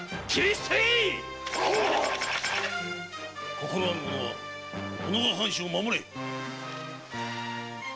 心ある者はおのが藩主を守れ！